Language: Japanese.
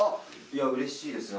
いやうれしいです。